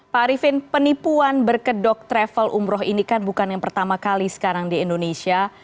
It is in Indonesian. pak arifin penipuan berkedok travel umroh ini kan bukan yang pertama kali sekarang di indonesia